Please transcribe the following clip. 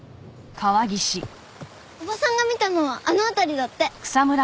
おばさんが見たのはあの辺りだって。